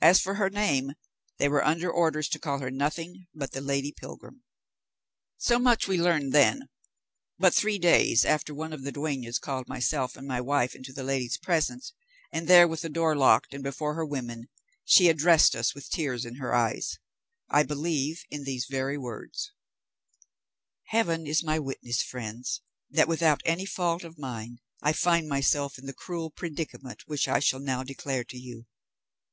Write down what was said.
As for her name, they were under orders to call her nothing but the lady pilgrim. "So much we learned then; but three days after one of the dueñas called myself and my wife into the lady's presence, and there, with the door locked, and before her women, she addressed us with tears in her eyes, I believe in these very words:— "'Heaven is my witness, friends, that without any fault of mine, I find myself in the cruel predicament which I shall now declare to you.